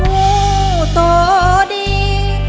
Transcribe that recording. เพลงเพลง